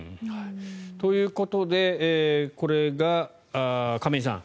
ということでこれが亀井さん